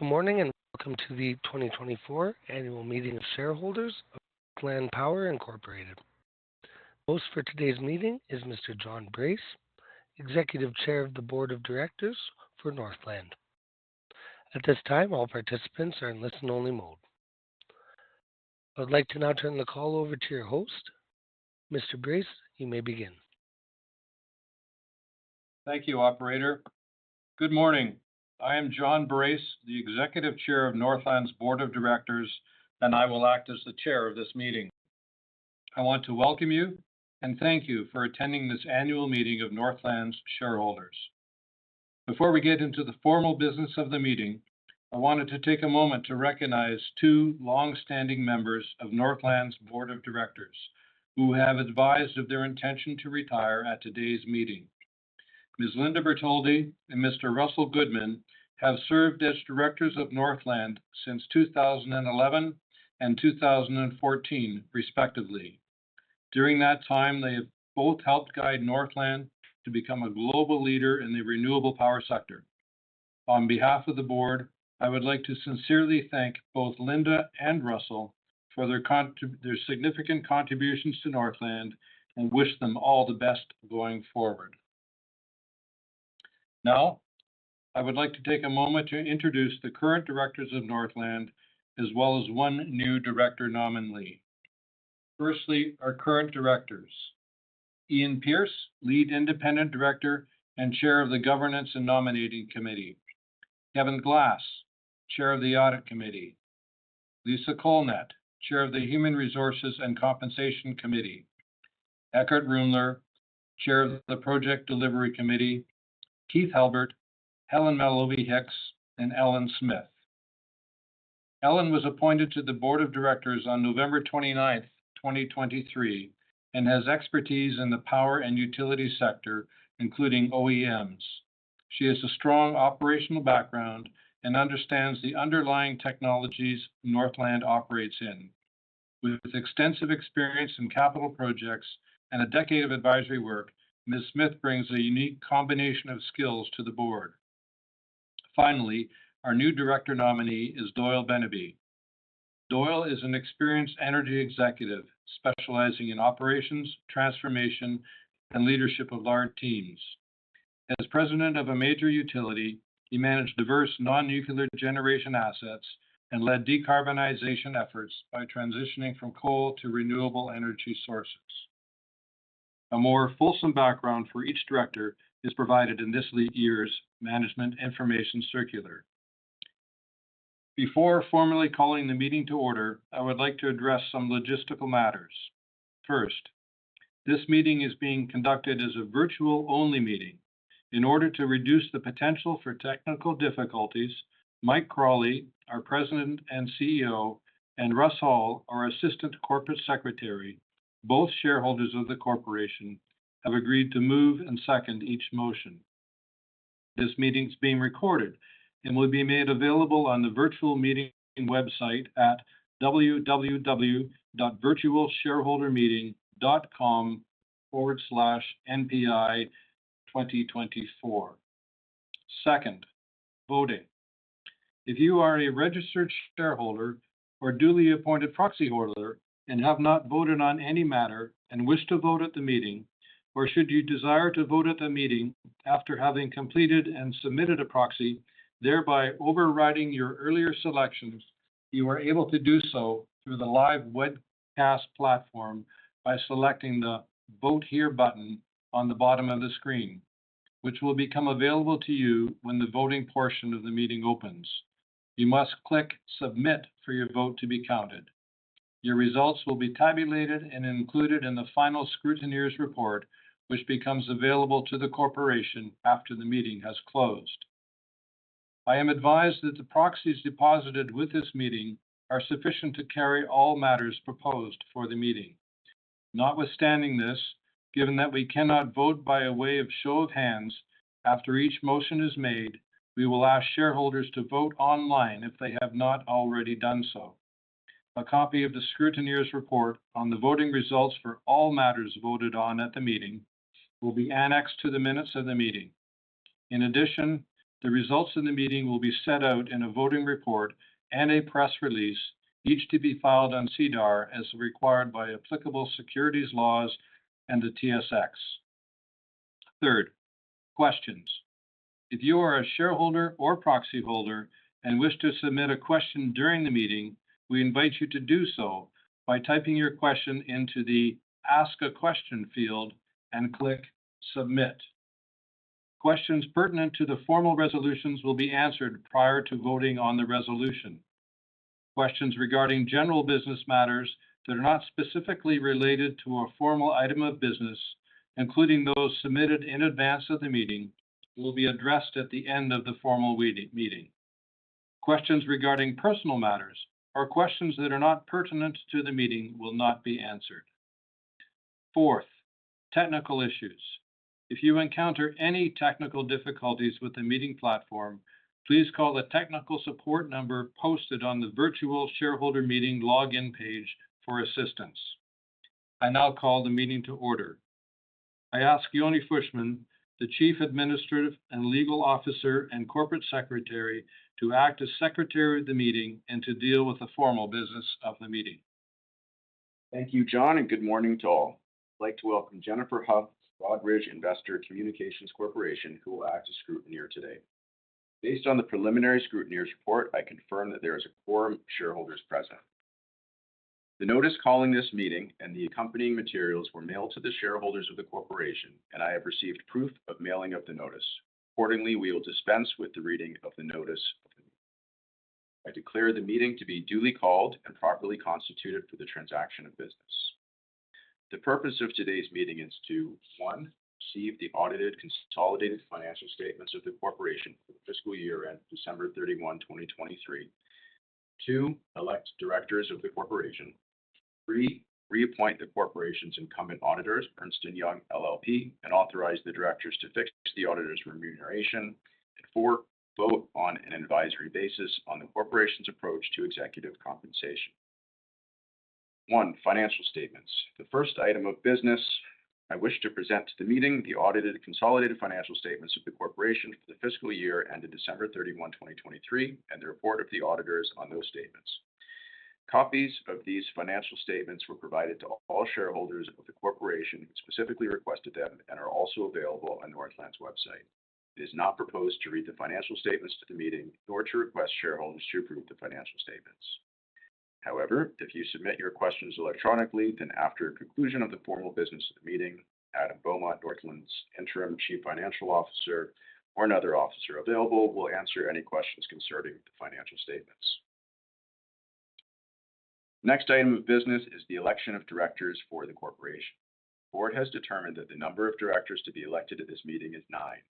Good morning, and welcome to the 2024 Annual Meeting of Shareholders of Northland Power Incorporated. The host for today's meeting is Mr. John Brace, Executive Chair of the Board of Directors for Northland. At this time, all participants are in listen-only mode. I'd like to now turn the call over to your host. Mr. Brace, you may begin. Thank you, operator. Good morning. I am John Brace, the Executive Chair of Northland's Board of Directors, and I will act as the chair of this meeting. I want to welcome you and thank you for attending this annual meeting of Northland's shareholders. Before we get into the formal business of the meeting, I wanted to take a moment to recognize two long-standing members of Northland's Board of Directors who have advised of their intention to retire at today's meeting. Ms. Linda Bertoldi and Mr. Russell Goodman have served as directors of Northland since 2011 and 2014, respectively. During that time, they have both helped guide Northland to become a global leader in the renewable power sector. On behalf of the board, I would like to sincerely thank both Linda and Russell for their significant contributions to Northland and wish them all the best going forward. Now, I would like to take a moment to introduce the current directors of Northland, as well as one new director nominee. Firstly, our current directors: Ian Pearce, Lead Independent Director and Chair of the Governance and Nominating Committee. Kevin Glass, Chair of the Audit Committee. Lisa Colnett, Chair of the Human Resources and Compensation Committee. Eckhardt Ruemmler, Chair of the Project Delivery Committee. Keith Halbert, Helen Mallovy Hicks, and Ellen Smith. Ellen was appointed to the Board of Directors on November 29th, 2023, and has expertise in the power and utility sector, including OEMs. She has a strong operational background and understands the underlying technologies Northland operates in. With extensive experience in capital projects and a decade of advisory work, Ms. Smith brings a unique combination of skills to the board. Finally, our new director nominee is Doyle Beneby. Doyle is an experienced energy executive, specializing in operations, transformation, and leadership of large teams. As president of a major utility, he managed diverse non-nuclear generation assets and led decarbonization efforts by transitioning from coal to renewable energy sources. A more fulsome background for each director is provided in this lead year's Management Information Circular. Before formally calling the meeting to order, I would like to address some logistical matters. First, this meeting is being conducted as a virtual-only meeting. In order to reduce the potential for technical difficulties, Mike Crawley, our President and CEO, and Russ Hall, our Assistant Corporate Secretary, both shareholders of the corporation, have agreed to move and second each motion. This meeting is being recorded and will be made available on the virtual meeting website at www.virtualshareholdermeeting.com/npi2024. Second, voting. If you are a registered shareholder or duly appointed proxyholder and have not voted on any matter and wish to vote at the meeting, or should you desire to vote at the meeting after having completed and submitted a proxy, thereby overriding your earlier selections, you are able to do so through the live webcast platform by selecting the Vote Here button on the bottom of the screen, which will become available to you when the voting portion of the meeting opens. You must click Submit for your vote to be counted. Your results will be tabulated and included in the final scrutineer's report, which becomes available to the corporation after the meeting has closed. I am advised that the proxies deposited with this meeting are sufficient to carry all matters proposed for the meeting. Notwithstanding this, given that we cannot vote by a way of show of hands, after each motion is made, we will ask shareholders to vote online if they have not already done so. A copy of the scrutineer's report on the voting results for all matters voted on at the meeting will be annexed to the minutes of the meeting. In addition, the results of the meeting will be set out in a voting report and a press release, each to be filed on SEDAR, as required by applicable securities laws and the TSX. Third, questions. If you are a shareholder or proxyholder and wish to submit a question during the meeting, we invite you to do so by typing your question into the Ask a Question field and click Submit. Questions pertinent to the formal resolutions will be answered prior to voting on the resolution. Questions regarding general business matters that are not specifically related to a formal item of business, including those submitted in advance of the meeting, will be addressed at the end of the formal meeting. Questions regarding personal matters or questions that are not pertinent to the meeting will not be answered. Fourth, technical issues. If you encounter any technical difficulties with the meeting platform, please call the technical support number posted on the virtual shareholder meeting login page for assistance. I now call the meeting to order. I ask Yoni Fishman, the Chief Administrative and Legal Officer and Corporate Secretary, to act as Secretary of the meeting and to deal with the formal business of the meeting. Thank you, John, and good morning to all. I'd like to welcome Jennifer Hough, Broadridge Investor Communications Corporation, who will act as scrutineer today. Based on the preliminary scrutineer's report, I confirm that there is a quorum of shareholders present. The notice calling this meeting and the accompanying materials were mailed to the shareholders of the corporation, and I have received proof of mailing of the notice. Accordingly, we will dispense with the reading of the notice. I declare the meeting to be duly called and properly constituted for the transaction of business. The purpose of today's meeting is to, one, receive the audited consolidated financial statements of the corporation for the fiscal year end December 31, 2023. Two, elect directors of the corporation. Three, reappoint the corporation's incumbent auditors, Ernst & Young LLP, and authorize the directors to fix the auditor's remuneration. And four, vote on an advisory basis on the corporation's approach to executive compensation. One, financial statements. The first item of business, I wish to present to the meeting the audited consolidated financial statements of the corporation for the fiscal year ended December 31, 2023, and the report of the auditors on those statements. Copies of these financial statements were provided to all shareholders of the corporation who specifically requested them and are also available on Northland's website. It is not proposed to read the financial statements to the meeting, nor to request shareholders to approve the financial statements. However, if you submit your questions electronically, then after conclusion of the formal business of the meeting, Adam Beaumont, Northland's Interim Chief Financial Officer, or another officer available, will answer any questions concerning the financial statements. Next item of business is the election of directors for the corporation. The board has determined that the number of directors to be elected at this meeting is nine.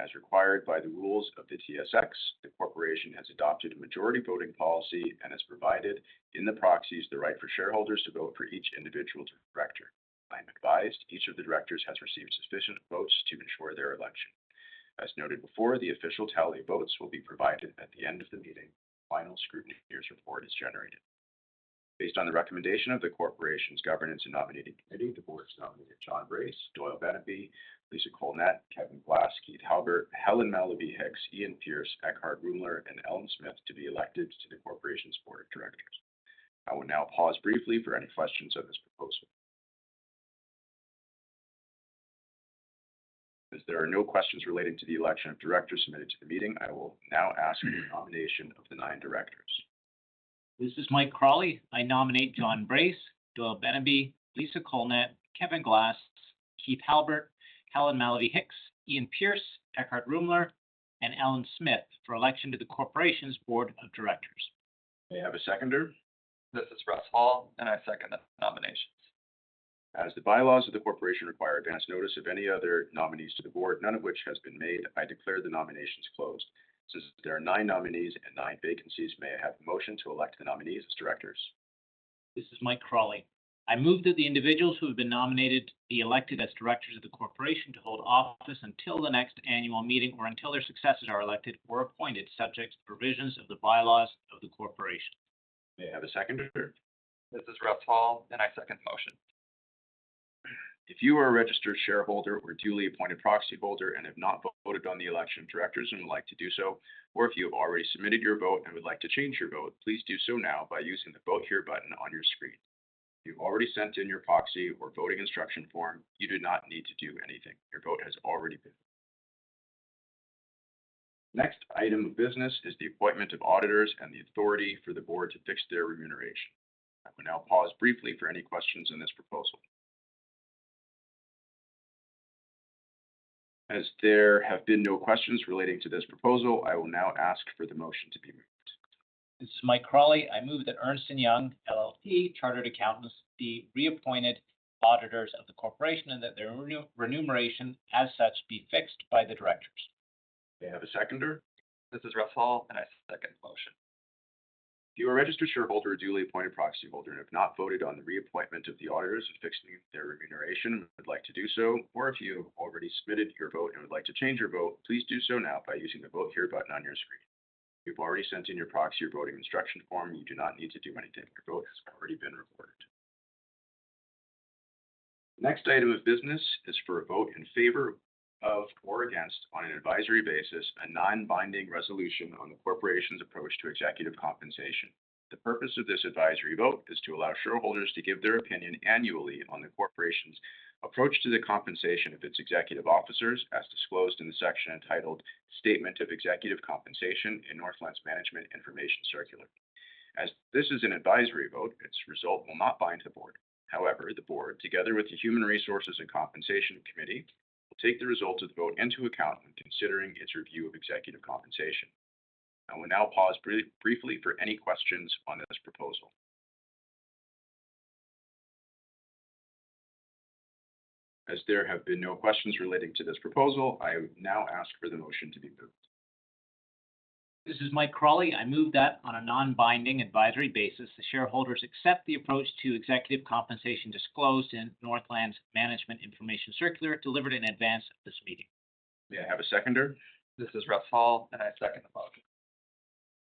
As required by the rules of the TSX, the corporation has adopted a majority voting policy and has provided, in the proxies, the right for shareholders to vote for each individual director. I'm advised each of the directors has received sufficient votes to ensure their election. As noted before, the official tally votes will be provided at the end of the meeting. Final scrutineer's report is generated. Based on the recommendation of the corporation's Governance and Nominating Committee, the board has nominated John Brace, Doyle Beneby, Lisa Colnett, Kevin Glass, Keith Halbert, Helen Mallovy Hicks, Ian Pearce, Eckhardt Ruemmler, and Ellen Smith to be elected to the corporation's board of directors. I will now pause briefly for any questions on this proposal. As there are no questions relating to the election of directors submitted to the meeting, I will now ask for the nomination of the nine directors. This is Mike Crawley. I nominate John Brace, Doyle Beneby, Lisa Colnett, Kevin Glass, Keith Halbert, Helen Mallovy Hicks, Ian Pearce, Eckhardt Ruemmler, and Ellen Smith for election to the Corporation's Board of Directors. May I have a seconder? This is Russ Hall, and I second the nominations. As the bylaws of the corporation require advance notice of any other nominees to the board, none of which has been made, I declare the nominations closed. Since there are nine nominees and nine vacancies, may I have a motion to elect the nominees as directors? This is Mike Crawley. I move that the individuals who have been nominated be elected as directors of the corporation to hold office until the next annual meeting or until their successors are elected or appointed, subject to the provisions of the bylaws of the corporation. May I have a seconder? This is Russ Hall, and I second the motion. If you are a registered shareholder or a duly appointed proxy holder and have not voted on the election of directors and would like to do so, or if you have already submitted your vote and would like to change your vote, please do so now by using the Vote Here button on your screen. If you've already sent in your proxy or voting instruction form, you do not need to do anything. Your vote has already been. Next item of business is the appointment of auditors and the authority for the board to fix their remuneration. I will now pause briefly for any questions on this proposal. As there have been no questions relating to this proposal, I will now ask for the motion to be moved. This is Mike Crawley. I move that Ernst & Young LLP, Chartered Accountants, be reappointed auditors of the corporation and that their remuneration as such be fixed by the directors. May I have a seconder? This is Russ Hall, and I second the motion. If you are a registered shareholder, a duly appointed proxy holder, and have not voted on the reappointment of the auditors and fixing their remuneration and would like to do so, or if you have already submitted your vote and would like to change your vote, please do so now by using the Vote Here button on your screen. If you've already sent in your proxy or voting instruction form, you do not need to do anything. Your vote has already been recorded. Next item of business is for a vote in favor of or against, on an advisory basis, a non-binding resolution on the corporation's approach to executive compensation. The purpose of this advisory vote is to allow shareholders to give their opinion annually on the corporation's approach to the compensation of its executive officers, as disclosed in the section entitled "Statement of Executive Compensation" in Northland's Management Information Circular. As this is an advisory vote, its result will not bind the board. However, the board, together with the Human Resources and Compensation Committee, will take the results of the vote into account when considering its review of executive compensation. I will now pause briefly for any questions on this proposal. As there have been no questions relating to this proposal, I now ask for the motion to be moved. This is Mike Crawley. I move that on a non-binding advisory basis, the shareholders accept the approach to executive compensation disclosed in Northland's Management Information Circular, delivered in advance of this meeting. May I have a seconder? This is Russ Hall, and I second the motion.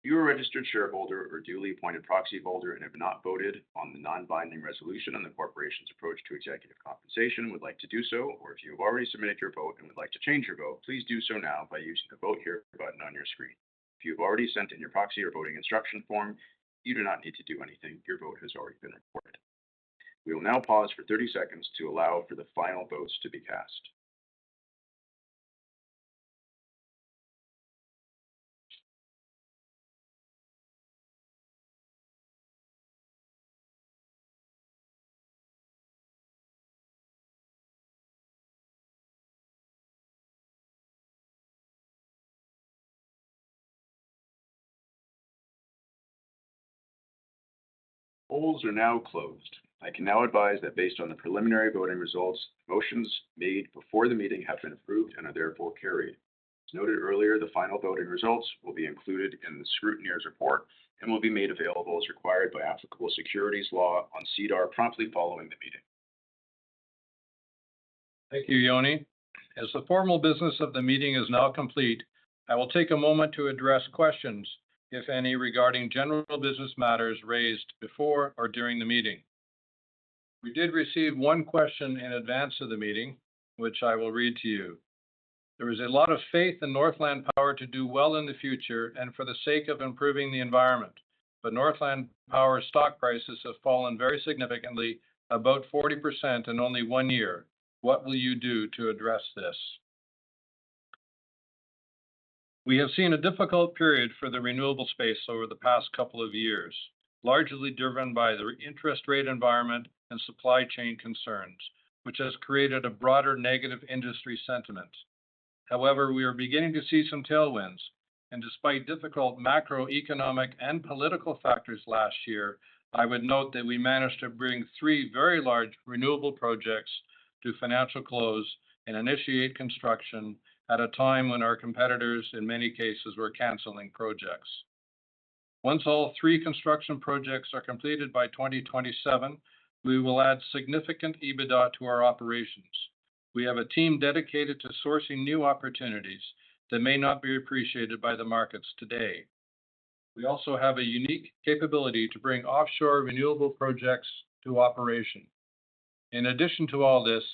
If you are a registered shareholder or duly appointed proxy holder and have not voted on the non-binding resolution on the corporation's approach to executive compensation and would like to do so, or if you've already submitted your vote and would like to change your vote, please do so now by using the Vote Here button on your screen. If you've already sent in your proxy or voting instruction form, you do not need to do anything. Your vote has already been recorded. We will now pause for 30 seconds to allow for the final votes to be cast. Polls are now closed. I can now advise that based on the preliminary voting results, motions made before the meeting have been approved and are therefore carried. As noted earlier, the final voting results will be included in the scrutineer's report and will be made available as required by applicable securities law on SEDAR promptly following the meeting. Thank you, Yoni. As the formal business of the meeting is now complete, I will take a moment to address questions, if any, regarding general business matters raised before or during the meeting. We did receive one question in advance of the meeting, which I will read to you. There is a lot of faith in Northland Power to do well in the future and for the sake of improving the environment, but Northland Power stock prices have fallen very significantly, about 40% in only one year. What will you do to address this? We have seen a difficult period for the renewable space over the past couple of years, largely driven by the interest rate environment and supply chain concerns, which has created a broader negative industry sentiment. However, we are beginning to see some tailwinds, and despite difficult macroeconomic and political factors last year, I would note that we managed to bring three very large renewable projects to financial close and initiate construction at a time when our competitors, in many cases, were canceling projects. Once all three construction projects are completed by 2027, we will add significant EBITDA to our operations. We have a team dedicated to sourcing new opportunities that may not be appreciated by the markets today. We also have a unique capability to bring offshore renewable projects to operation. In addition to all this,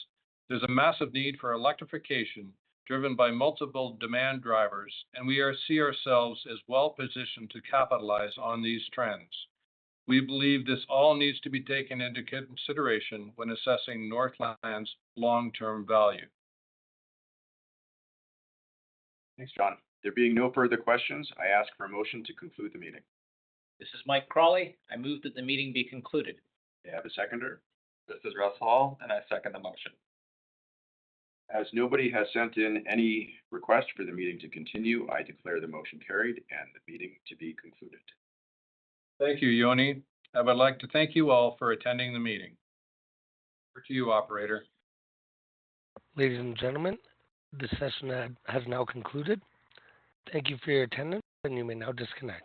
there's a massive need for electrification, driven by multiple demand drivers, and we see ourselves as well-positioned to capitalize on these trends. We believe this all needs to be taken into consideration when assessing Northland's long-term value. Thanks, John. There being no further questions, I ask for a motion to conclude the meeting. This is Mike Crawley. I move that the meeting be concluded. May I have a seconder? This is Russ Hall, and I second the motion. As nobody has sent in any request for the meeting to continue, I declare the motion carried and the meeting to be concluded. Thank you, Yoni. I would like to thank you all for attending the meeting. Over to you, operator. Ladies and gentlemen, this session has now concluded. Thank you for your attendance, and you may now disconnect.